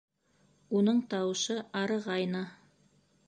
— Уның тауышы арығайны.